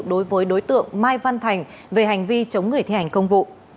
đối với đối tượng mai văn thành về hành vi chống người thi hành công vụ